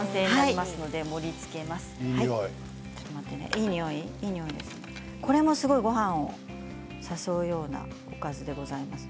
いいにおいこれもすごくごはんを誘うようなおかずでございます。